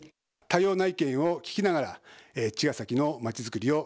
多様な意見を聞きながら茅ヶ崎の町づくりを